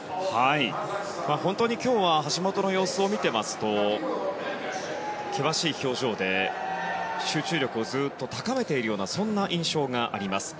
本当に今日は橋本の様子を見ていますと険しい表情で集中力をずっと高めているようなそんな印象があります。